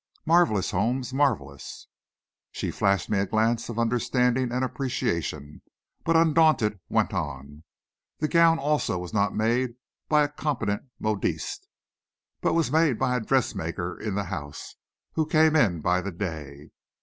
"Marvellous, Holmes, marvellous!" She flashed me a glance of understanding and appreciation, but undaunted, went on: "The gown also was not made by a competent modiste, but was made by a dressmaker in the house, who came in by the day.